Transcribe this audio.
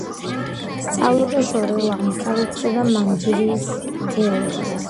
სწავლობდა შორეული აღმოსავლეთისა და მანჯურიის გეოლოგიას.